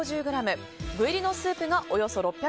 具入りのスープがおよそ６００ｇ